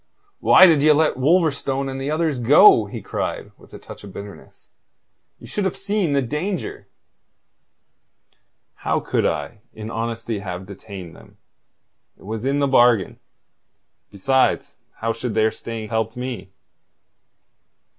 "Why did ye let Wolverstone and the others go?" he cried, with a touch of bitterness. "You should have seen the danger." "How could I in honesty have detained them? It was in the bargain. Besides, how could their staying have helped me?"